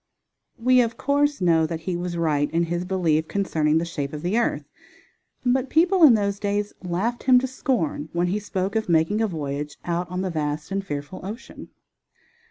We, of course, know that he was right in his belief concerning the shape of the earth, but people in those days laughed him to scorn when he spoke of making a voyage out on the vast and fearful ocean.